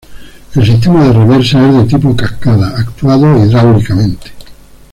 El sistema de reversa es de tipo cascada actuado hidráulicamente.